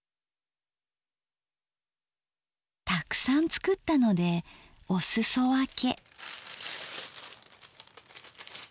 たくさん作ったのでおすそ分け。